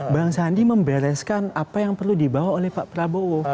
bang sandi membereskan apa yang perlu dibawa oleh pak prabowo